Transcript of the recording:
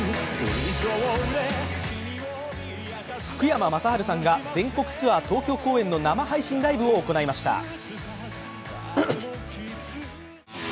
福山雅治さんが全国ツアー東京公演の生配信を行いました。